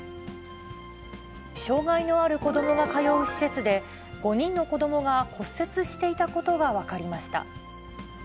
障がいのある子どもが通う施設で、５人の子どもが骨折していたことが分かりました。